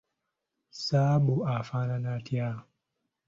Zzaabu afaanana atya?